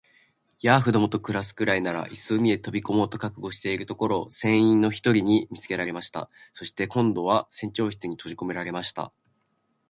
ヤーフどもと暮すくらいなら、いっそ海へ飛び込もうと覚悟しているところを、船員の一人に見つけられました。そして、今度は船長室にとじこめられました。